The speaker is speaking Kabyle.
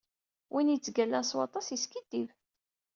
Win yettgalan s waṭas yeskidib